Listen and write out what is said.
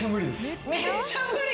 めっちゃ無理？